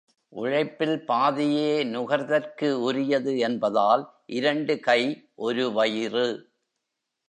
உழைப்பில் பாதியே நுகர்தற்கு உரியது என்பதால் இரண்டு கை ஒரு வயிறு.